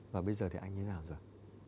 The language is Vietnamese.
và bây giờ thì anh thế nào rồi